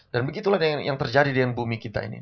dan begitulah yang terjadi dengan bumi kita ini